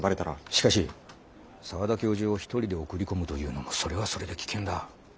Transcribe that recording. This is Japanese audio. しかし澤田教授を一人で送り込むというのもそれはそれで危険だ。